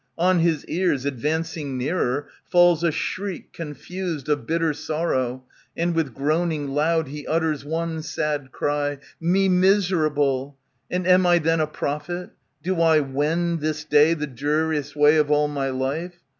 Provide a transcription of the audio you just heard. On his ears, Advancing nearer, falls a shriek confused Of bitter sorrow, and with groaning loud, *^^ He utters one sad cry, " Me miserable ! And am I then a prophet? Do I wend This day the dreariest way of all my life?